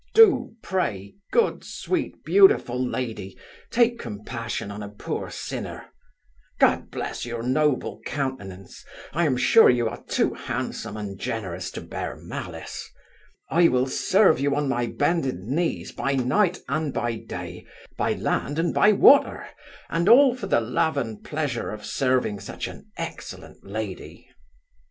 Do, pray, good, sweet, beautiful lady, take compassion on a poor sinner God bless your noble countenance; I am sure you are too handsome and generous to bear malice I will serve you on my bended knees, by night and by day, by land and by water; and all for the love and pleasure of serving such an excellent lady.